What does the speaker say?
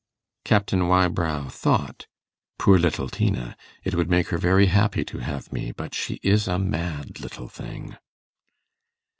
Captain Wybrow thought, 'Poor little Tina! it would make her very happy to have me. But she is a mad little thing.